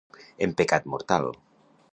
En pecat mortal.